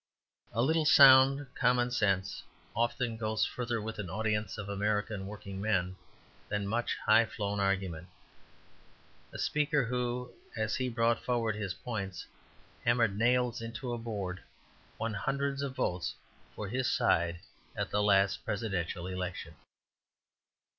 "A little sound common sense often goes further with an audience of American working men than much high flown argument. A speaker who, as he brought forward his points, hammered nails into a board, won hundreds of votes for his side at the last Presidential Election."